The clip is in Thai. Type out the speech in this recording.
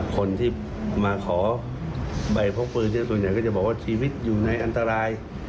คนที่มาขอใบพกปืนส่วนใหญ่ก็จะบอกว่าชีวิตอยู่ในอันตราย